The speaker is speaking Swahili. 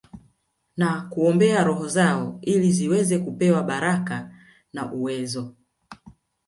Na kuombea roho zao ili ziweze kupewa baraka na uwezo